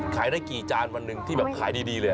ขายได้กี่จานวันหนึ่งที่แบบขายดีเลย